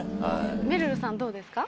めるるさんどうですか？